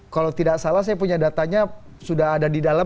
kalau tidak salah saya punya datanya sudah ada di dalam